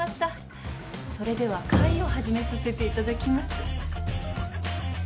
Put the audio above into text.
それでは会を始めさせていただきます。